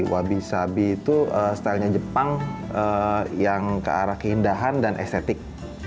wabi sabi itu stylenya jepang yang ke arah keindahan dan estetik